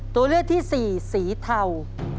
ตัวเลือกที่สี่สีเทา